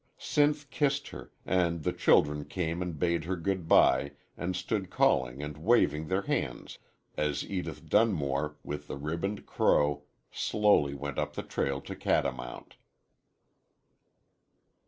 Sinth kissed her, and the children came and bade her good bye and stood calling and waving their hands as Edith Dunmore, with the ribboned crow, slowly went up the trail to Catamount.